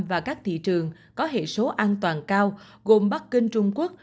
và các thị trường có hệ số an toàn cao gồm bắc kinh trung quốc